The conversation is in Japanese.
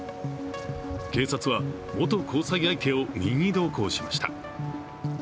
警察は元交際相手を任意同行しました。